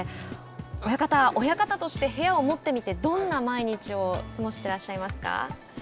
親方親方として部屋を持ってみてどんな毎日を過ごしていらっしゃいますか。